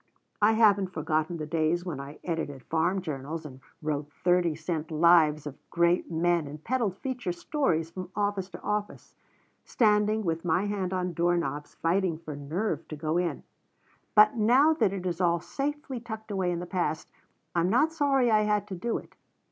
I haven't forgotten the days when I edited farm journals and wrote thirty cent lives of great men and peddled feature stories from office to office, standing with my hand on door knobs fighting for nerve to go in, but now that it is all safely tucked away in the past, I'm not sorry I had to do it.